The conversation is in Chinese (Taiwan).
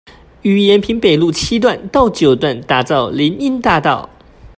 於延平北路七段到九段打造林蔭大道